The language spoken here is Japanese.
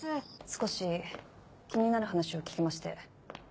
少し気になる話を聞きまして。